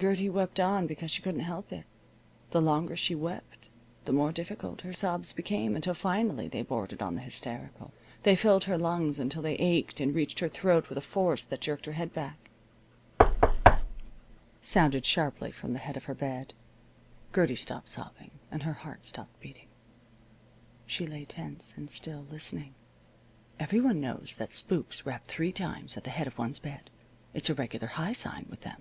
Gertie wept on because she couldn't help it. The longer she wept the more difficult her sobs became, until finally they bordered on the hysterical. They filled her lungs until they ached and reached her throat with a force that jerked her head back. "Rap rap rap!" sounded sharply from the head of her bed. Gertie stopped sobbing, and her heart stopped beating. She lay tense and still, listening. Everyone knows that spooks rap three times at the head of one's bed. It's a regular high sign with them.